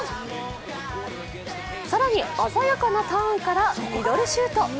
更に鮮やかなターンからミドルシュート。